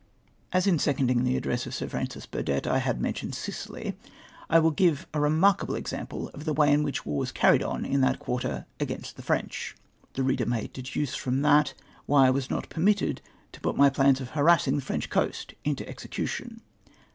As in seconding the address of Sir Francis Biuxlett, I had mentioned Sicily, I will give a remarkable example of the way in Avhicli war was carried on in that quarter a(jain.st the Frencli I The reader may deduce from that why I was not permitted to put my plans of harassing the French coast into execution.